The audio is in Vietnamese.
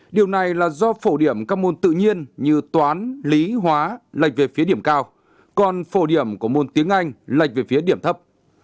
điều này là do phổ điểm các môn tự nhiên như toán lý hóa lệch về phía điểm cao còn phổ điểm của môn tiếng anh lệch về phía điểm thấp